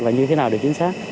là như thế nào được chính xác